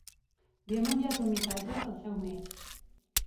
Li hem enviat un missatge al seu mail.